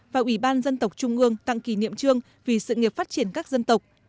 và ủy ban dân tộc trung ương tặng kỷ niệm trương vì sự nghiệp phát triển các dân tộc